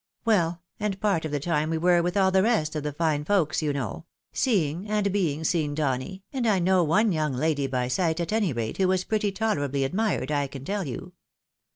Well, and part of the time we were with all the rest of the fine folks, you know — seeing, and being seen, Donny, and I know one young lady by sight, at any rate, who was pretty tolerably admired, 1 can teU. you.